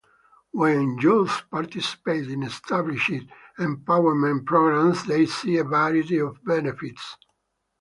When youth participate in established empowerment programs they see a variety of benefits.